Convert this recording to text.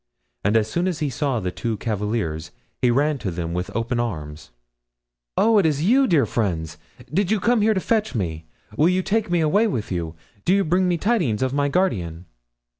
And as soon as he saw the two cavaliers he ran to them with open arms. "Oh, is it you, dear friends? Did you come here to fetch me? Will you take me away with you? Do you bring me tidings of my guardian?"